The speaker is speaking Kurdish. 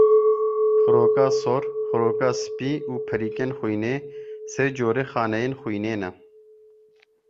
Xiroka sor, xiroka spî û perikên xwînê, sê corê xaneyên xwînê ne.